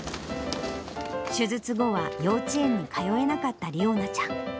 手術後は幼稚園に通えなかった理央奈ちゃん。